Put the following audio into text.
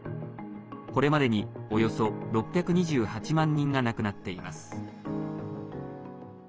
これまでに、およそ６２８万人が亡くなっています。